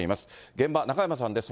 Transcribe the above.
現場、中山さんです。